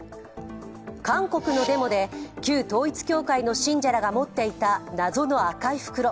韓国のデモで旧統一教会の信者らが持っていた謎の赤い袋。